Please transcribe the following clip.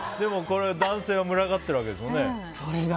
これ、男性は群がってるわけですもんね。